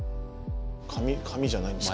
髪？髪じゃないんですか？